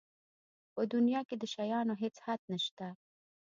په دنیا کې د شیانو هېڅ حد نشته.